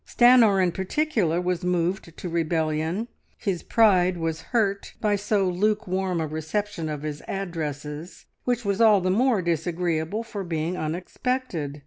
Stanor in particular was moved to rebellion. His pride was hurt by so lukewarm a reception of his addresses, which was all the more disagreeable for being unexpected.